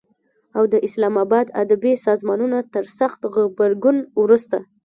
او د اسلام آباد ادبي سازمانونو تر سخت غبرګون وروسته